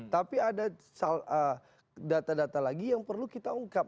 tapi ada data data lagi yang perlu kita ungkap